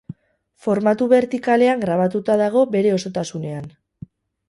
Formatu bertikalean grabatuta dago bere osotasunean.